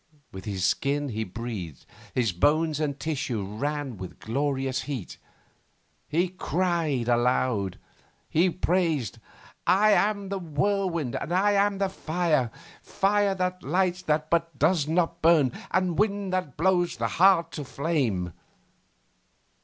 With his skin he breathed, his bones and tissue ran with glorious heat. He cried aloud. He praised. 'I am the whirlwind and I am the fire! Fire that lights but does not burn, and wind that blows the heart to flame!